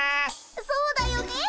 そうだよねえ。